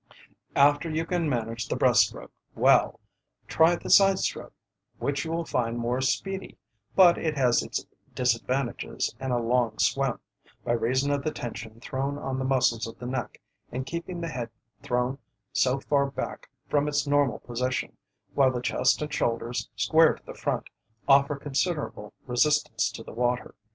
After you can manage the breast stroke well, try the side stroke, which you will find more speedy, but it has its disadvantages in a long swim, by reason of the tension thrown on the muscles of the neck in keeping the head thrown so far back from its normal position, while the chest and shoulders, square to the front, offer considerable resistance to the water.